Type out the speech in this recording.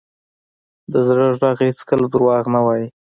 د زړه ږغ هېڅکله دروغ نه وایي.